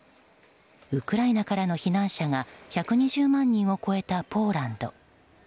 ウクライナからの避難者が１２０万人を超えたポーランド。